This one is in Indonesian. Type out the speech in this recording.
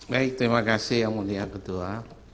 baik terima kasih yang mulia ketua